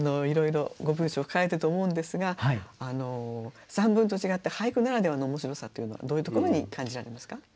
いろいろご文章を書いてると思うんですが散文と違って俳句ならではの面白さっていうのはどういうところに感じられますか？